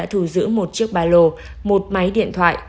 thu giữ một chiếc ba lô một máy điện thoại